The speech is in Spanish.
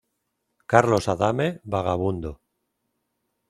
Carlos Adame- "Vagabundo"